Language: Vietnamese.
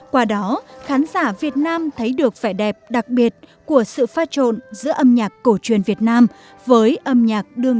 qua đó khán giả việt nam thấy được vẻ đẹp đặc biệt của sự pha trộn giữa âm nhạc cổ truyền việt nam với âm nhạc